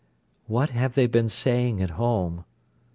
"What have they been saying at home?"